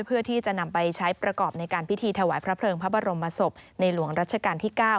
เพื่อที่จะนำไปใช้ประกอบในการพิธีถวายพระเพลิงพระบรมศพในหลวงรัชกาลที่๙